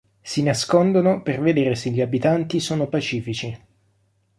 Si nascondono per vedere se gli abitanti sono pacifici.